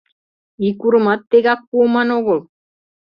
— Ик урымат тегак пуыман огыл!